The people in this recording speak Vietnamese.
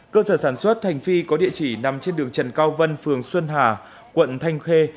cơ sở sản xuất hành phi có địa chỉ nằm trên đường trần cao vân phường xuân hà quận thanh khê